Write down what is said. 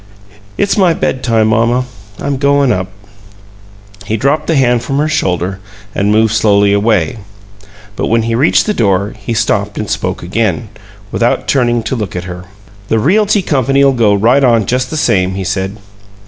"It's my bedtime, mamma; I'm goin' up." He dropped the hand from her shoulder and moved slowly away, but when he reached the door he stopped and spoke again, without turning to look at her. "The Realty Company'll go right on just the same," he said.